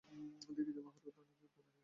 দেখি যে বাহাদুর তানিকে কোলে নিয়ে হাঁটছে।